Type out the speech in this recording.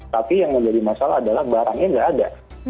tapi yang menjadi masalah adalah barangnya nggak ada